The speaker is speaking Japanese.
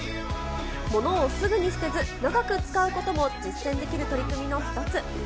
物をすぐに捨てず、長く使うことも実践できる取り組みの一つ。